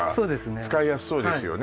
使いやすそうですよね